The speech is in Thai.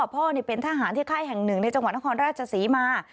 พ่อเป็นทหารที่ค่ายแห่งหนึ่งในจังหวัดนครราชศรีมา